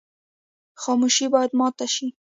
خاموشي باید ماته شي.